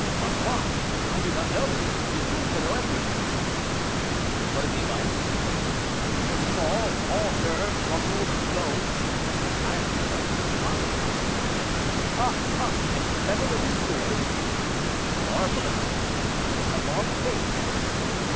"Ma foi! I do not know; he seems to know everything." "What is he like?" "He is tall—all nerves, muscles and bones; silent, but mocking." "Ah! ah! and clever with his sword?" "Marvelously." "A long face?"